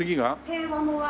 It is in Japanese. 平和の和。